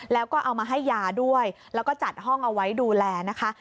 แล้วก็เอามาให้ยาด้วยแล้วก็จัดห้องเอาไว้ดูแลนะคะ